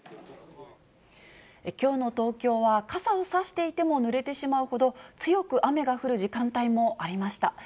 きょうの東京は、傘を差していてもぬれてしまうほど、強く雨が降る時間帯もありました。